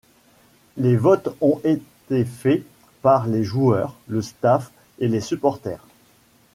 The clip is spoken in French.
Les votes ont été faits par les joueurs, le staff et les supporters.